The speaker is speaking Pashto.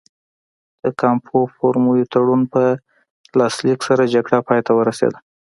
د کامپو فورمیو تړون په لاسلیک سره جګړه پای ته ورسېده.